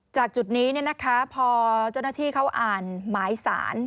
จุดนี้พอเจ้าหน้าที่เขาอ่านหมายสาร